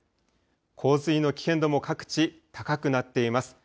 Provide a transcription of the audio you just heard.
洪水の危険度も各地、高くなっています。